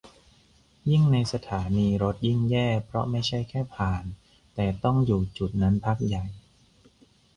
ยิ่งในสถานีรถยิ่งแย่ เพราะไม่ใช่แค่ผ่าน แต่ต้องอยู่จุดนั้นพักใหญ่